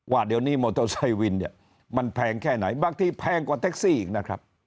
ว่าเดี๋ยวนี้โมโตไซด์วินมันแพงแค่ไหนบางทีแพงกว่าเท็กซี่อีกนะครับ